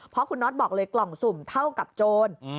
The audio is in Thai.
เพราะคุณน็อตบอกเลยกล่องสุ่มเท่ากับโจร